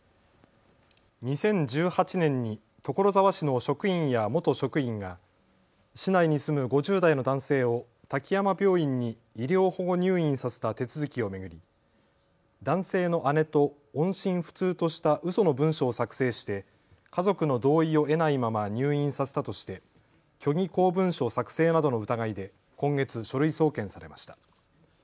２０１８年に所沢市の職員や元職員が市内に住む５０代の男性を滝山病院に医療保護入院させた手続きを巡り男性の姉と音信不通としたうその文書を作成して家族の同意を得ないまま入院させたとして虚偽公文書作成などの疑いで今月、書類送検されました。